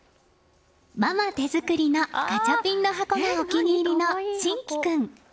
ママ手作りのガチャピンの箱がお気に入りの心絆君。